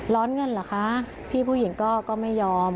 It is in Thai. ร้อนเงินเหรอคะพี่ผู้หญิงก็ไม่ยอม